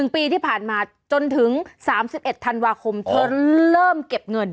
ปีที่ผ่านมาจนถึง๓๑ธันวาคมเธอเริ่มเก็บเงิน